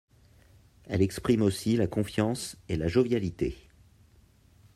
Elle exprime aussi la confiance et la jovialité.